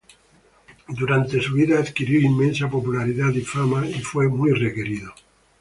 Durante su vida adquirió inmensa popularidad y fama, y fue muy requerido.